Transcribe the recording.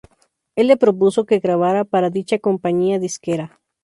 Él le propuso que grabara para dicha compañía disquera.